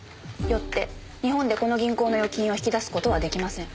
よって日本でこの銀行の預金を引き出す事は出来ません。